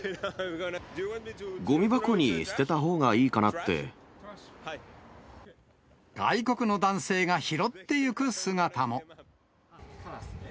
ごみ箱に捨てたほうがいいか外国の男性が拾ってゆく姿も。